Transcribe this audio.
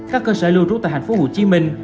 các cơ sở lưu trú tại thành phố hồ chí minh